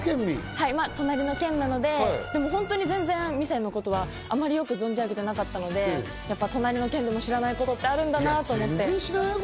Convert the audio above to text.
隣の県なので、味仙のことはよく存じ上げていなかったので、隣の県でも知らないことってあるんだなと思って。